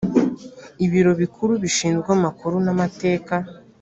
ibiro bikuru bishinzwe amakuru n amateka